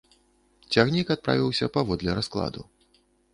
Цягнік адправіўся паводле раскладу.